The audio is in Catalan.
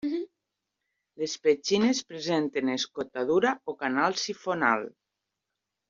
Les petxines presenten escotadura o canal sifonal.